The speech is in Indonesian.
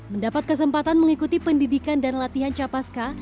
mendapat kesempatan mengikuti pendidikan dan latihan capaska